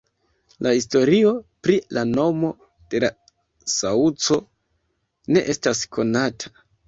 La historio pri la nomo de la saŭco ne estas konata.